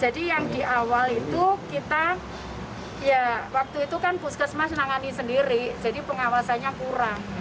jadi yang di awal itu kita ya waktu itu kan puskesmas menangani sendiri jadi pengawasannya kurang